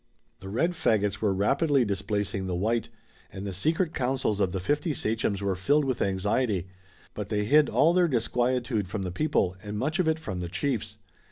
The red fagots were rapidly displacing the white, and the secret councils of the fifty sachems were filled with anxiety, but they hid all their disquietude from the people, and much of it from the chiefs.